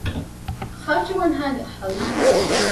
ޚަރްޖުވަންހައިގެ ޙަލީފުން